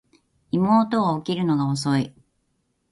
妹は起きるのが遅い